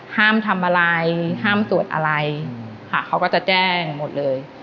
ห้ามทำอะไรห้ามตรวจอะไรค่ะเขาก็จะแจ้งหมดเลย